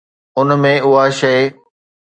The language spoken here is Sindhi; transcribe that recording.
ان ۾ اها شيءِ